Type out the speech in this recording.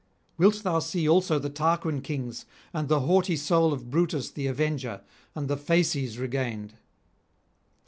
Wilt thou see also the Tarquin kings, and the haughty soul of Brutus the Avenger, and the fasces regained?